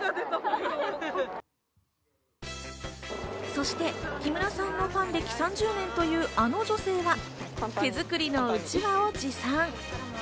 そして、木村さんのファン歴３０年というあの女性は、手作りのうちわを持参。